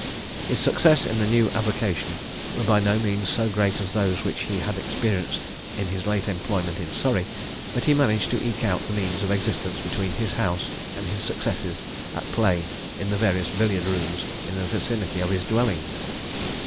His successes in his new avocation were by no means so great as those which he had experienced in his late employment in Surrey; but he managed to eke out the means of existence between his house and his successes at play in the various billiard rooms in the vicinity of his dwelling.